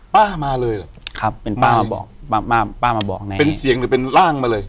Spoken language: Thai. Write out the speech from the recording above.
ป้ามาเลยเหรอครับเป็นป้ามาบอกป้าป้ามาบอกนะเป็นเสียงหรือเป็นร่างมาเลย